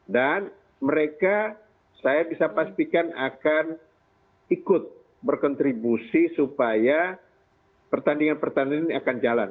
dan mereka saya bisa pastikan akan ikut berkontribusi supaya pertandingan pertandingan ini akan jalan